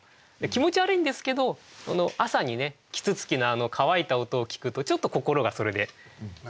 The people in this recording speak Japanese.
気持ち悪いんですけど朝にね啄木鳥の乾いた音を聞くとちょっと心がそれで晴れるような。